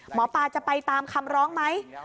หมอปลาจะไปตามคำร้องไหม